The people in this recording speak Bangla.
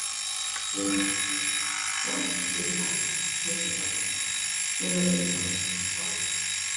পুনঃ তফসিল মাঝে মাঝে হতে পারে, তবে এভাবে গণভাবে চলে না।